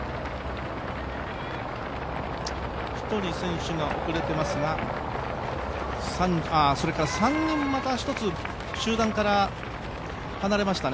１人、選手が遅れていますが、それから３人、また一つ集団から離れましたね。